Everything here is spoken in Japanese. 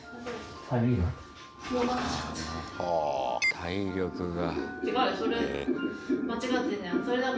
体力が。